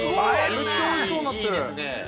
◆むっちゃおいしそうになってる。